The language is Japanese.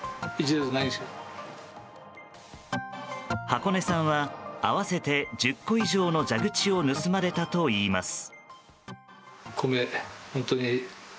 箱根さんは合わせて１０個以上の蛇口を盗まれたといいます。